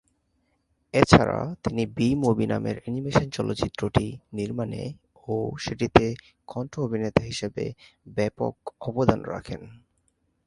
এছাড়া তিনি "bee movie" নামের অ্যানিমেশন চলচ্চিত্রটি নির্মাণে ও সেটিতে কন্ঠ-অভিনেতা হিসেবে ব্যাপক অবদান রাখেন।